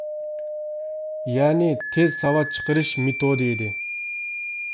يەنى تېز ساۋات چىقىرىش مېتودى ئىدى.